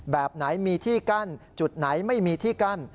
แบบไหนมีที่กั้นจุดไหนไม่มีที่กั้น